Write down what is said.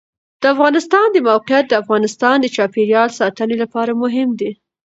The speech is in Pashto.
د افغانستان د موقعیت د افغانستان د چاپیریال ساتنې لپاره مهم دي.